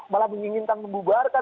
malah menginginkan membubarkan